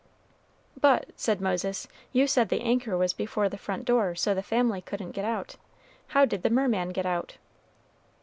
"But," said Moses, "you said the anchor was before the front door, so the family couldn't get out, how did the merman get out?"